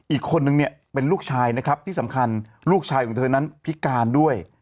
อีกคนนึงเนี่ยเป็นลูกชายนะครับที่สำคัญลูกชายของเธอนั้นพิการด้วย